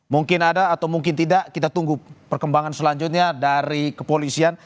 mungkin ada atau mungkin tidak kita tunggu perkembangan selanjutnya dari kepolisian